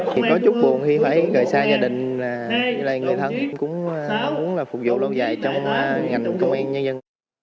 thì có chút buồn khi phải gọi xa nhà đình người thân cũng muốn phục vụ lâu dài trong ngành công an nhân dân